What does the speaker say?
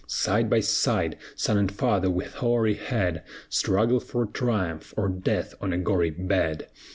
Side by side, son and father with hoary head Struggle for triumph, or death on a gory bed.